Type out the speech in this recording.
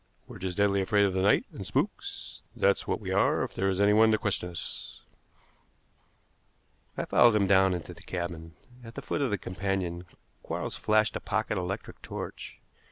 "We're just deadly afraid of the night and spooks, that's what we are if there is anyone to question us." I followed him down into the cabin. At the foot of the companion Quarles flashed a pocket electric torch.